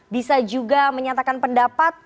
bisa juga menyatakan pendapat